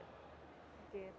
tetap menghargai orang lain